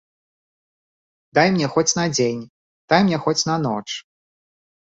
Дай мне хоць на дзень, дай мне хоць на ноч.